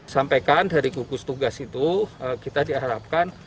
sampaikan dari gugus tugas itu kita diharapkan